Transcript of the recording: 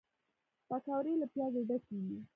پکورې له پیازو ډکې وي